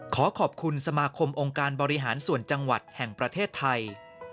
ขอขอบคุณสมาคมองค์การบริหารส่วนจังหวัดแห่งประเทศไทย